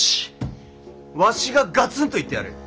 わしががつんと言ってやる！